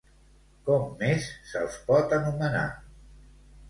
Com més se'ls pot anomenar?